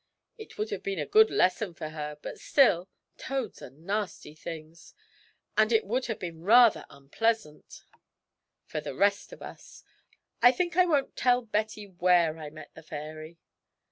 It would have been a good lesson for her but still, toads are nasty things, and it would have been rather unpleasant for the rest of us. I think I won't tell Betty where I met the fairy.'